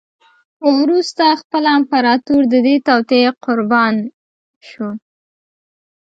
خو وروسته خپله امپراتور د دې توطیې قربا شو